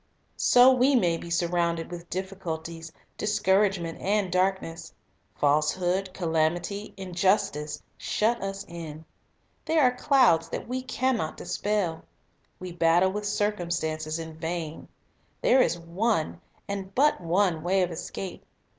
So we may be surrounded with difficulties, discouragement, and darkness. Falsehood, calamity, Above the injustice, shut us in. There are clouds that we can not Clouds dispel. We battle with circumstances in vain. There is one, and but one, way of escape.